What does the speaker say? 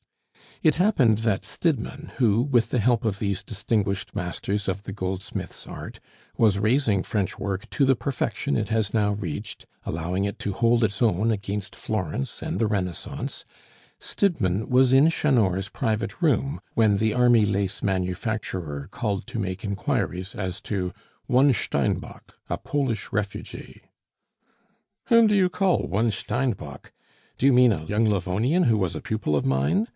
It happened that Stidmann who, with the help of these distinguished masters of the goldsmiths' art, was raising French work to the perfection it has now reached, allowing it to hold its own against Florence and the Renaissance Stidmann was in Chanor's private room when the army lace manufacturer called to make inquiries as to "One Steinbock, a Polish refugee." "Whom do you call 'One Steinbock'? Do you mean a young Livonian who was a pupil of mine?"